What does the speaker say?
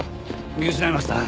見失いました。